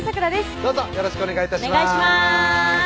どうぞよろしくお願い致します